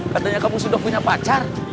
katanya kamu sudah punya pacar